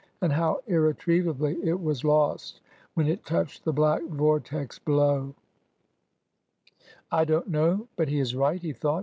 And how irretrievably it was lost when it touched the black vortex below 1 '' I don't know but he is right," he thought.